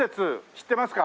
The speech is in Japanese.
知ってますか？